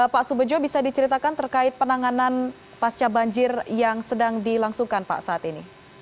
pak subejo bisa diceritakan terkait penanganan pasca banjir yang sedang dilangsungkan pak saat ini